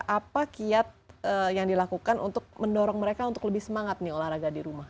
apa kiat yang dilakukan untuk mendorong mereka untuk lebih semangat nih olahraga di rumah